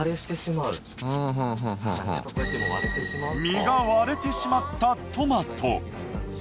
身が割れてしまったトマト。